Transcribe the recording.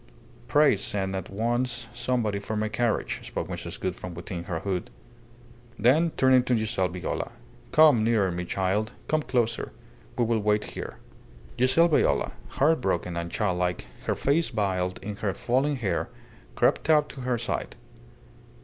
"Pray send at once somebody for my carriage," spoke Mrs. Gould from within her hood. Then, turning to Giselle Viola, "Come nearer me, child; come closer. We will wait here." Giselle Viola, heartbroken and childlike, her face veiled in her falling hair, crept up to her side.